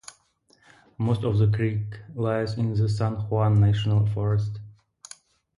Most of the creek lies in the San Juan National Forest.